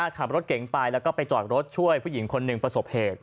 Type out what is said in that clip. ขับรถเก่งไปแล้วก็ไปจอดรถช่วยผู้หญิงคนหนึ่งประสบเหตุ